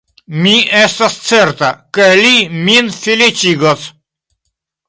Mi estas certa, ke li min feliĉigos.